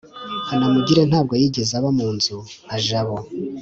kanamugire ntabwo yigeze aba munzu nka jabo